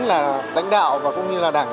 là đánh đạo và cũng như là đảng